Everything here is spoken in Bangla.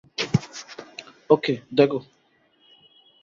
ওকে, দেখো।